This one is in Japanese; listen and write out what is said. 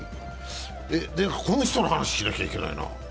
この人の話をしなきゃいけないな。